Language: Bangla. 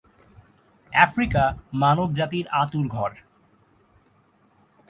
আফ্রিকা মানবজাতির আতুড়ঘর।